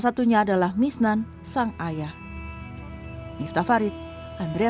karena empat keluarganya yang lain tak jelas rimbanya